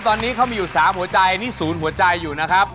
ตอนนี้เขามีอยู่๓หัวใจนี่ศูนย์หัวใจอยู่นะครับ